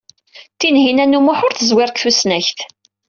Tinhinan u Muḥ ur teẓwir deg tusnakt.